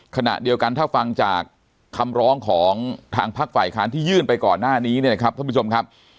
ขณะเดียวกันถ้าฟังจากคำร้องของทางพักฝ่ายค้านที่ยื่นไปก่อนหน้านี้เนี่ยนะครับท่านผู้ชมครับ